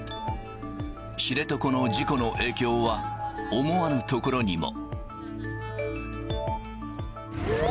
知床の事故の影響は、思わぬところにも。